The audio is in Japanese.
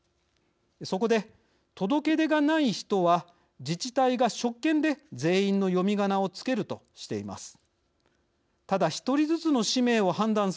そこで届け出がない人は自治体が職権で全員の読みがなを付けるとしています。